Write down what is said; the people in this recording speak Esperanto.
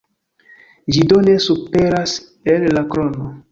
Ĝi do ne superas el la krono.